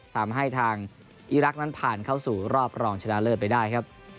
ทำให้ทางอีรักษ์นั้นผ่านเข้าสู่รอบรองชนะเลิศไปได้ครับ